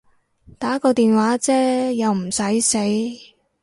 打個電話啫又唔駛死